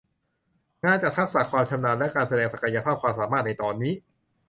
งานจากทักษะความชำนาญและการแสดงศักยภาพความสามารถในตอนนี้